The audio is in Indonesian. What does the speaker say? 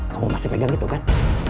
kamu masih pegang itu kan